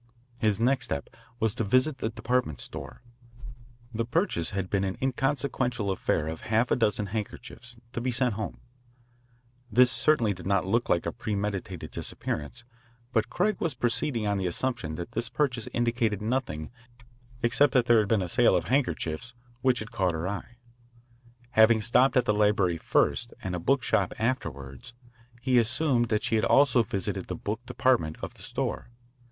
His next step was to visit the department store. The purchase had been an inconsequential affair of half a dozen handkerchiefs, to be sent home. This certainly did not look like a premeditated disappearance; but Craig was proceeding on the assumption that this purchase indicated nothing except that there had been a sale of handkerchiefs which had caught her eye. Having stopped at the library first and a book shop afterward, he assumed that she had also visited the book department of the store.